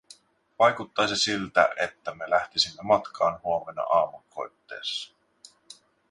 Vaikuttaisi siltä, että me lähtisimme matkaan huomenna aamunkoitteessa.